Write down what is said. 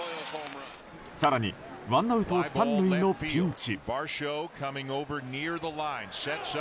更にワンアウト３塁のピンチ。